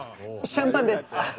シャンパンです！